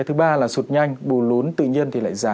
thì lúc bấy giờ là